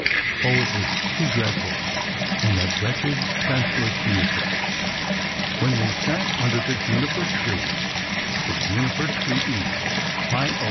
Oh ! it was too dread ful ! And that wretched, senseless music ! When we sat under the juniper tree ! The juniper tree e, — heigh o